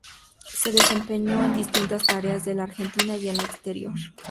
Se desempeñó en distintas tareas en la Argentina, y en el exterior.